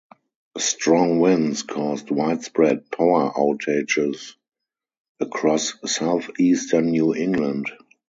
Strong winds caused widespread power outages across southeastern New England.